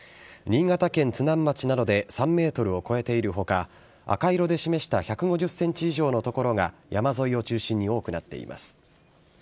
新潟県津南町などで３メートルを超えているほか、赤色で示した１５０センチ以上の所が、山沿いを中心に多くなっています。